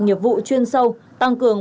nghiệp vụ chuyên sâu tăng cường